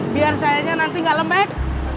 biar sayanya nanti gak lembek